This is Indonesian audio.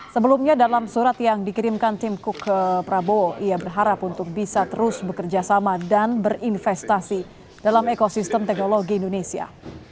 sebelumnya dalam surat yang dikirimkan timku ke prabowo ia berharap untuk bisa terus bekerja sama dan berinvestasi dalam ekosistem teknologi indonesia